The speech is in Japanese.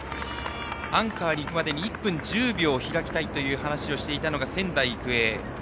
アンカーに行くまでに１分１０秒開きたいという話をしていたのが仙台育英。